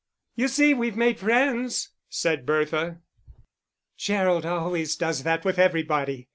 "You see we've made friends," said Bertha. "Gerald always does that with everybody.